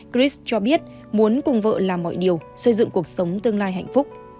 chris cho biết muốn cùng vợ làm mọi điều xây dựng cuộc sống tương lai hạnh phúc